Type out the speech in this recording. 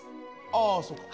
ああそうか。